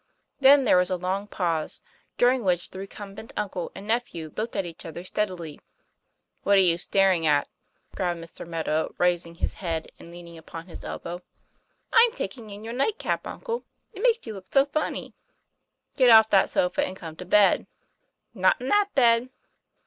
Then there was a long pause, during which the recumbent uncle and nephew looked at each other steadily. " What are you staring at ?" growled Mr. Meadow, raising his head and leaning upon his elbow. "I'm taking in your night cap, uncle. It makes you look so funny." " Get off that sofa and come to bed." "Not in that bed."